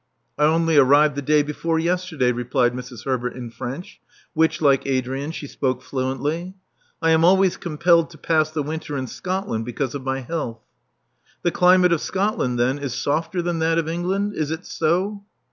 *'I only arrived the day before yesterday," replied Mrs. Herbert in French, which, like Adrian, she spoke fluently. I am always compelled to pass the winter in Scotland, because of my health." *'The climate of Scotland, then, is softer than that of England. Is it so?"